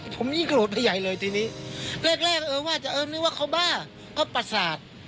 ผมยิ่งโกรธใหญ่เลยทีนี้แรกเออว่าจะเออนึกว่าเขาบ้าเขาประสาท